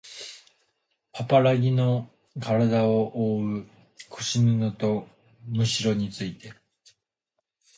パパラギのからだをおおう腰布とむしろについて